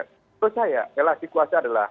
menurut saya relasi kuasa adalah